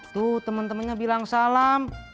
tuh temen temennya bilang salam